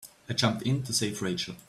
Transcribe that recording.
I jumped in to save Rachel.